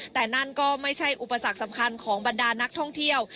แต่นั่นก็ไม่ใช่อุปสรรคสำคัญของบรรดานักท่องเที่ยว